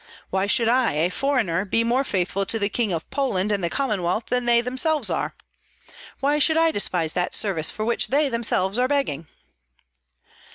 Why should I, a foreigner, be more faithful to the King of Poland and the Commonwealth than they themselves are? Why should I despise that service for which they themselves are begging?"